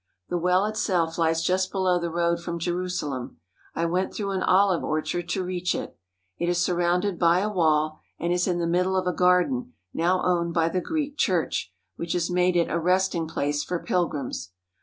The well itself lies just below the road from Jerusalem. I went through an olive orchard to reach it. It is sur rounded by a wall and is in the middle of a garden now owned by the Greek Church, which has made it a resting place for pilgrims.